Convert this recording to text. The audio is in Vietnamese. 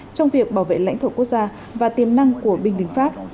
trong việc bảo vệ lãnh thổ quốc gia và tiềm năng của binh lính pháp